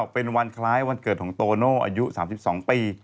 เป็นวันคล้ายวันเกิดของโตโน่อายุ๓๒ปี